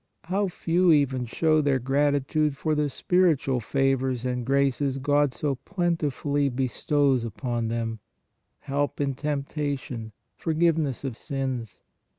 How few even show their gratitude for the spiritual favors and graces God so plentifully bestows upon them; help in temptation, forgiveness of sins.